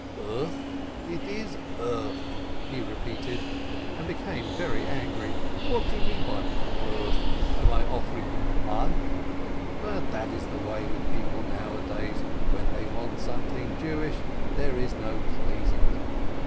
"Earth, it is earth!" he repeated, and became very angry. "What do you mean by earth? Am I offering you mud? But that is the way with people nowadays, when they want something Jewish, there is no pleasing them!